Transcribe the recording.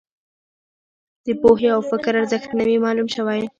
د پوهې او فکر ارزښت نه وي معلوم شوی.